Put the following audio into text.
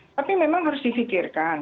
tapi memang harus difikirkan